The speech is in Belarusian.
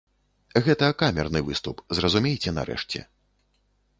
Гэта камерны выступ, зразумейце нарэшце.